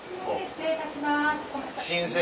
失礼いたします。